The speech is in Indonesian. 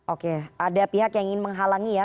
oke ada pihak yang ingin menghalangi ya